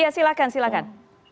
ya silakan silakan